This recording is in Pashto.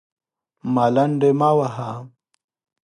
_ملنډې مه وهه!